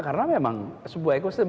karena memang sebuah ekosistem